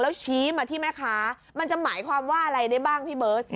แล้วชี้มาที่แม่ค้ามันจะหมายความว่าอะไรได้บ้างพี่เบิร์ต